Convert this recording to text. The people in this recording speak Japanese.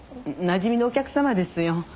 なじみのお客様ですよ。